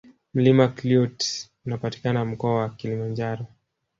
mlima klute unapatikana mkoa wa kilimanjaro